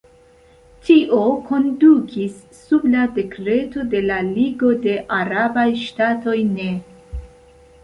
Tio kondukis, sub la dekreto de la Ligo de Arabaj Ŝtatoj ne.